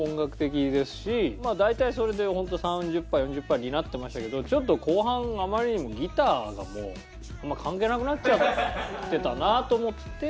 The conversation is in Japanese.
大体それでホント３０パー４０パーになってましたけどちょっと後半あまりにもギターがもう関係なくなっちゃってたなと思って。